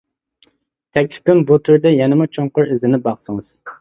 تەكلىپىم : بۇ تۈردە يەنىمۇ چوڭقۇر ئىزدىنىپ باقسىڭىز.